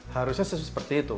harusnya seperti itu